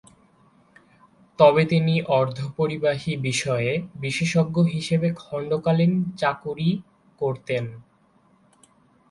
তবে তিনি অর্ধপরিবাহী বিষয়ে বিশেষজ্ঞ হিসেবে খণ্ডকালীন চাকুরি করতেন।